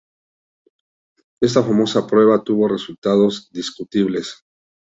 Esta famosa prueba tuvo resultados discutibles.